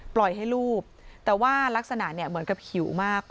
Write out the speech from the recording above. ปล่อยให้รูปแต่ว่ารักษณะเนี่ยเหมือนกับหิวมาก